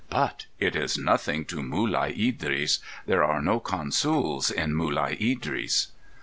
But it is nothing to Mulai Idris. There are no consools in Mulai Idris."